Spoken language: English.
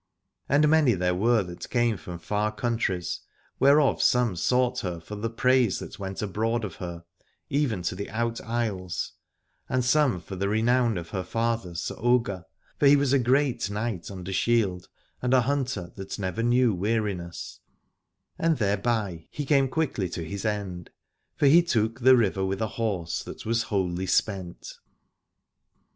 And many there were that came from far countries, whereof some sought her for the praise that went abroad of her, even to the out isles, and some for 68 Aladore the renown of her father Sir Ogier; for he was a great knight under shield, and a hunter that never knew weariness, and thereby he came quickly to his end, for he took the river with a horse that was wholly spent.